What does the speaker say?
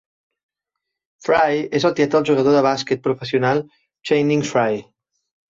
Frye és el tiet del jugador de bàsquet professional Channing Frye.